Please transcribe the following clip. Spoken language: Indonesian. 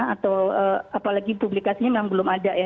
atau apalagi publikasinya memang belum ada ya